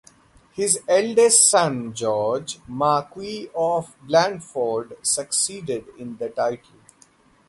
His eldest son George, Marquess of Blandford, succeeded in the title.